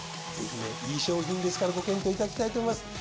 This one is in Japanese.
ぜひねいい商品ですからご検討いただきたいと思います。